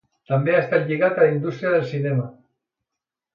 També ha estat lligat a la indústria del cinema.